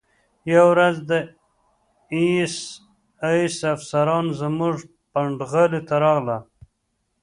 یوه ورځ د اېس ایس افسران زموږ پنډغالي ته راغلل